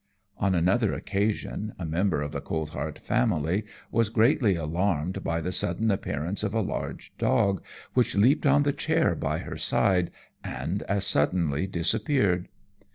On another occasion, a member of the Coltheart family was greatly alarmed by the sudden appearance of a large dog, which leaped on the chair by her side, and as suddenly disappeared.